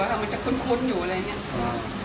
อะไรอย่างงี้